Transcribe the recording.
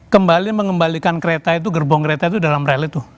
untuk kembali mengembalikan kereta itu gerbong kereta itu dalam rel itu